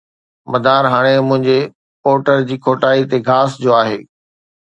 مدار هاڻي منهنجي پورٽر جي کوٽائي تي گھاس جو آهي